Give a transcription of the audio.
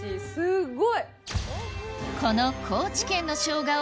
すごい。